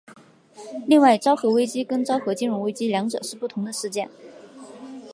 另外昭和危机跟昭和金融危机两者是不同的事件。